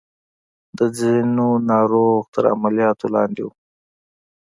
د ځينو ناروغ تر عملياتو لاندې وو.